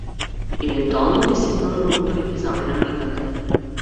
Евентуално ќе седнам на мотор и ќе заминем некаде.